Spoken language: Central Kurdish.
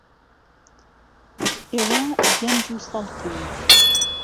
ئێوە گەنج و سەڵتن.